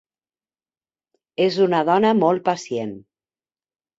És una dona molt pacient.